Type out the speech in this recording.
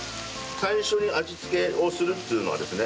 最初に味つけをするっていうのはですね